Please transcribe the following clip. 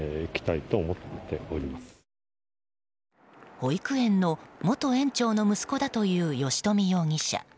保育園の元園長の息子だという吉冨容疑者。